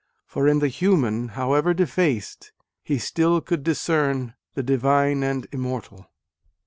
For in the human, however defaced, he still could discern the divine and immortal.